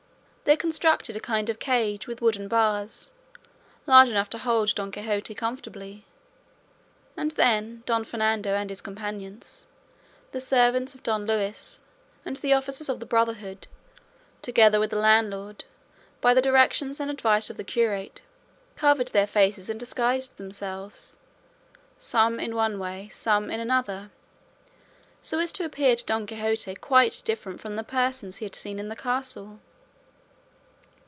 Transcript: They constructed a kind of cage with wooden bars, large enough to hold Don Quixote comfortably; and then Don Fernando and his companions, the servants of Don Luis, and the officers of the Brotherhood, together with the landlord, by the directions and advice of the curate, covered their faces and disguised themselves, some in one way, some in another, so as to appear to Don Quixote quite different from the persons he had seen in the castle.